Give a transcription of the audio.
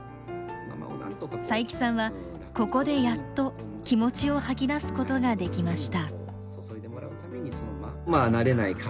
佐伯さんはここでやっと気持ちを吐き出すことができました。